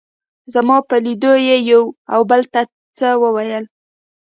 زما په لیدو یې یو او بل ته څه وویل.